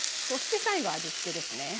そして最後味付けですね。